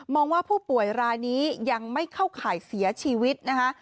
ว่าผู้ป่วยรายนี้ยังไม่เข้าข่ายเสียชีวิตนะคะ